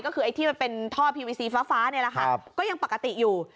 ก็คือไอ้ที่มันเป็นท่อพีวีซีฟ้านี่แหละค่ะก็ยังปกติอยู่